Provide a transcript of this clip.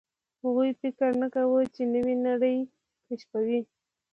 هغوی فکر نه کاوه، چې نوې نړۍ کشفوي.